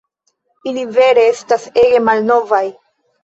Ili vere estas ege malnovaj